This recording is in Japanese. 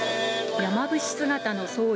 山伏姿の僧侶